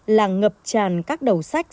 là ngập tràn các đầu sách